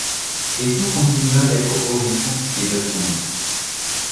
Et tout continua d’être horrible, et de fondre